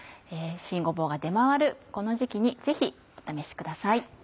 新ごぼうが出回るこの時期にぜひお試しください。